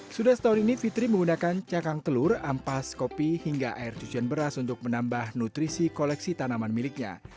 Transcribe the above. sudah setahun ini fitri menggunakan cakang telur ampas kopi hingga air cucian beras untuk menambah nutrisi koleksi tanaman miliknya